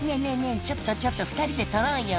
ちょっとちょっと２人で撮ろうよ」